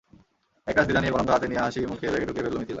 একরাশ দ্বিধা নিয়ে কলমটা হাতে নিয়ে হাসি মুখে ব্যাগে ঢুকিয়ে ফেলল মিথিলা।